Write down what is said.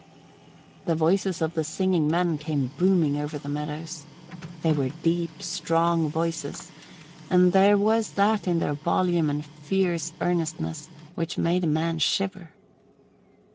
The voices of the singing men came booming over the meadows. They were deep, strong voices and there was that in their volume and fierce earnestness which made a man shiver.